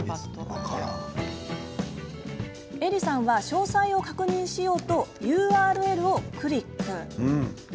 エリさんは詳細を確認しようとＵＲＬをクリック。